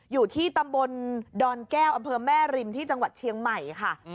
อยู่ที่ตำบลดอนแก้วอำเภอแม่ริมที่จังหวัดเชียงใหม่ค่ะ